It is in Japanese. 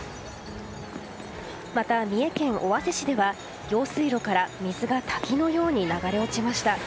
また、三重県尾鷲市では用水路から水が滝のように流れ落ちました。